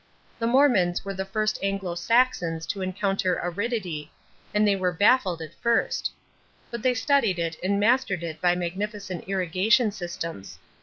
The Mormons were the first Anglo Saxons to encounter aridity, and they were baffled at first; but they studied it and mastered it by magnificent irrigation systems.